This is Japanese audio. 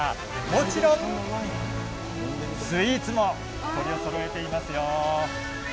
もちろんスイーツも取りそろえていますよ。